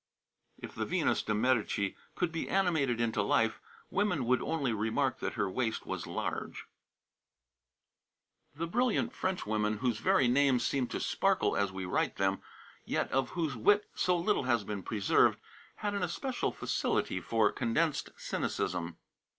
'" "If the Venus de Medici could be animated into life, women would only remark that her waist was large." The brilliant Frenchwomen whose very names seem to sparkle as we write them, yet of whose wit so little has been preserved, had an especial facility for condensed cynicism.